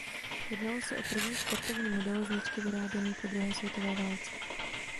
Jednalo se o první sportovní model značky vyráběný po druhé světové válce.